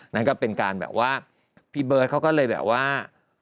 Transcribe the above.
นั่นก็เป็นการแบบว่าพี่เบิร์ตเขาก็เลยแบบว่า